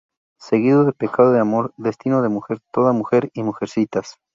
Seguido de "Pecado de amor", "Destino de mujer", "Toda mujer" y "Mujercitas".